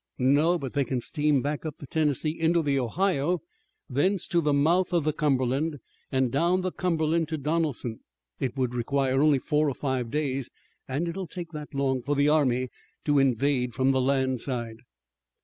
"No, but they can steam back up the Tennessee into the Ohio, thence to the mouth of the Cumberland, and down the Cumberland to Donelson. It would require only four or five days, and it will take that long for the army to invade from the land side."